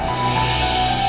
terima kasih banyak ya pak